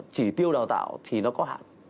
chỉ tiêu đào tạo thì nó có hạn